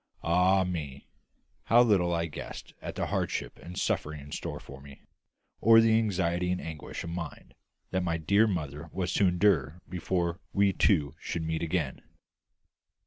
Ah me! how little I guessed at the hardship and suffering in store for me, or the anxiety and anguish of mind that my dear mother was to endure before we two should meet again!